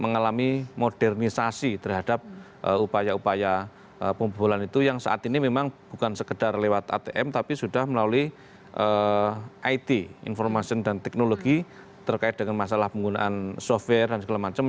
mengalami modernisasi terhadap upaya upaya pembobolan itu yang saat ini memang bukan sekedar lewat atm tapi sudah melalui it information dan teknologi terkait dengan masalah penggunaan software dan segala macam